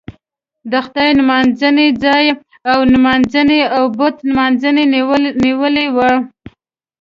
د خدای نمانځنې ځای اور نمانځنې او بت نمانځنې نیولی و.